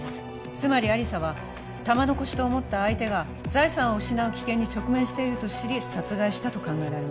つまり亜理紗は玉のこしと思った相手が財産を失う危険に直面していると知り殺害したと考えられます